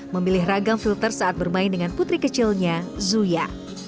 memilih ragam filter saat bermain dengan putri kecilnya zuya